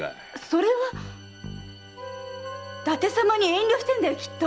それは伊達様に遠慮してるんだよきっと！